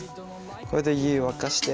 これで湯沸かして。